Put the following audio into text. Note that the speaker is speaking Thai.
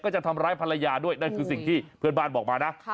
จะทำร้ายภรรยาด้วยนั่นคือสิ่งที่เพื่อนบ้านบอกมานะ